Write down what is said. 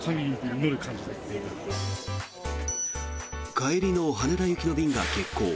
帰りの羽田行きの便が欠航。